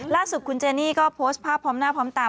ล่าสุดคุณเจนี่ก็โพสต์ภาพพร้อมหน้าพร้อมตา